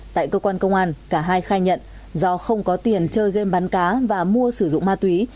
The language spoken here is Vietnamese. tại cơ quan công an cả hai khai nhận do không có tiền chơi game bắn cá và mua sử dụng ma túy